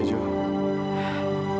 terima kasih ju